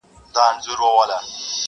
بارانونه دي اوریږي خو سیلې دي پکښي نه وي.!